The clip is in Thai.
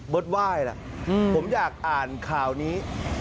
บทวายผมอยากอ่านข่าวนี้